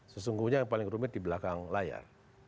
sesungguhnya yang paling rumit di belakang layar